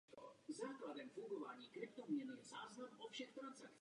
To byl svět dvacátého století.